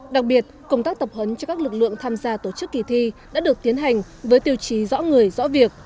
đặc biệt công tác tập huấn cho các lực lượng tham gia tổ chức kỳ thi đã được tiến hành với tiêu chí rõ người rõ việc